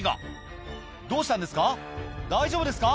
大丈夫ですか？